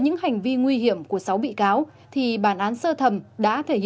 nhưng tới nay chưa có tầng tiền nào được tổ chức